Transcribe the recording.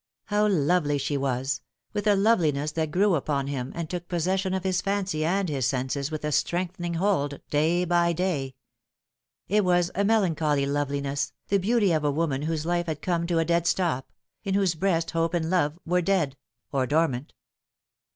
How lovely she was, with a loveliness that grew upon him, and took possession of his fancy and his senses with a strengthening hold day by day. It was a melancholy loveliness, the beauty of a woman whose life had come to a dead stop, in whose breast hope and love were dead or dormant.